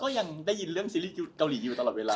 ยังได้ยินเรื่องซีรีส์เกาหลีอยู่ตลอดเวลา